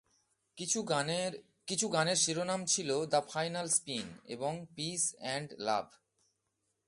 কিছু গানের শিরোনাম ছিল "দ্য ফাইনাল স্পিন" এবং "পিস এন্ড লাভ"।